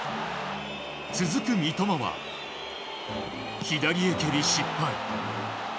続く三笘は、左へ蹴り失敗。